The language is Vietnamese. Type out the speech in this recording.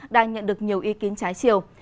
đã nhận được nhiều ý kiến trái chiều